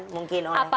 mungkin oleh pemerintah